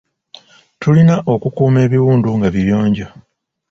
Tulina okukuuma ebiwundu nga biyonjo.